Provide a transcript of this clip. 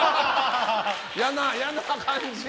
嫌な感じ。